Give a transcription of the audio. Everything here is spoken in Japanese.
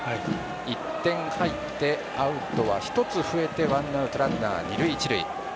１点、入ってアウトは１つ増えてワンアウト、ランナー、二塁一塁。